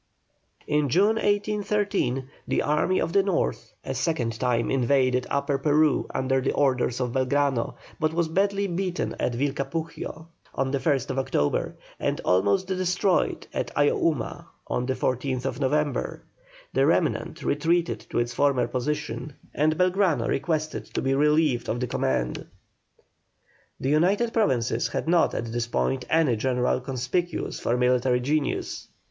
In June, 1813, the army of the North a second time invaded Upper Peru under the orders of Belgrano, but was badly beaten at Vilcapugio on the 1st October, and almost destroyed at Ayohuma on the 14th November. The remnant retreated to its former position, and Belgrano requested to be relieved of the command. The United Provinces had not at this time any general conspicuous for military genius.